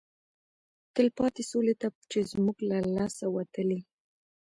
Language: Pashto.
تلپاتې سولې ته چې زموږ له لاسه وتلی